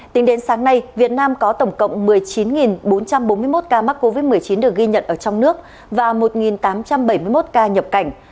tính đến sáng nay việt nam có tổng cộng một mươi chín bốn trăm bốn mươi một ca mắc covid một mươi chín được ghi nhận ở trong nước và một tám trăm bảy mươi một ca nhập cảnh